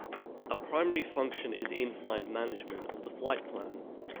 A primary function is in-flight management of the flight plan.